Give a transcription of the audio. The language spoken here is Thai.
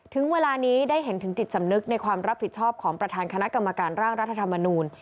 ถึงเวลานี้ได้เห็นถึงจิตสำนึกในความรับผิดชอบของประธานคณะกรรมการร่างรัฐธรรมนูล